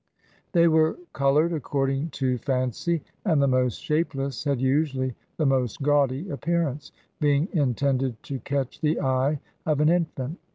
They were colored according to fancy; and the most shapeless had usually the most gaudy appearance, being intended to catch the eye of an infant.